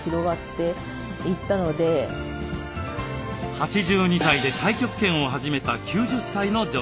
８２歳で太極拳を始めた９０歳の女性。